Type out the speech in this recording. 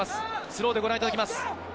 スローでご覧いただきます。